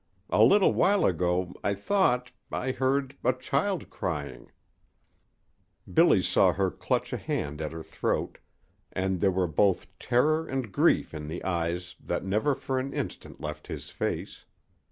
A little while ago I thought I heard a child crying " Billy saw her clutch a hand at her throat, and there were both terror and grief in the eyes that never for an instant left his face.